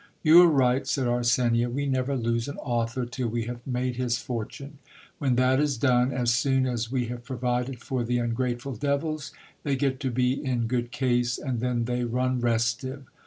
You are right, said Arsenia ; we never lose an author till we have made his fortune. When that is done, as soon as we have provided for the ungrateful devils, they get to be in good case, and then they run restive.